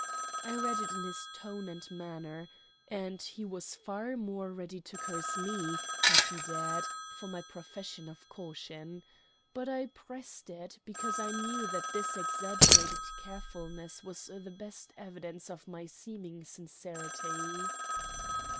I read it in his tone and manner; and he was far more ready to curse me, had he dared, for my profession of caution. But I pressed it, because I knew that this exaggerated carefulness was the best evidence of my seeming sincerity.